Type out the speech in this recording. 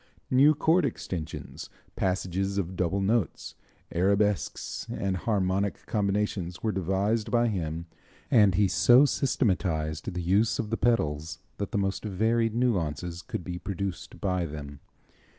New chord extensions, passages of double notes, arabesques and harmonic combinations were devised by him and he so systematized the use of the pedals that the most varied nuances could be produced by them.